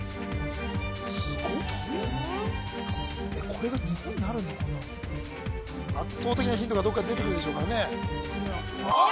これが日本にあるのかな圧倒的なヒントがどっかで出てくるでしょうからね